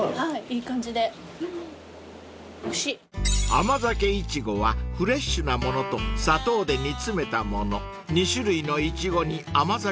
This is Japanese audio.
［甘酒いちごはフレッシュな物と砂糖で煮詰めた物２種類のイチゴに甘酒をミックス］